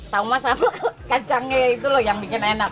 taunya sama kacangnya itu loh yang bikin enak